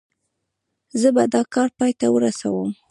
زه به دا کار پای ته ورسوم.